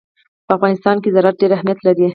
په افغانستان کې زراعت ډېر اهمیت لري.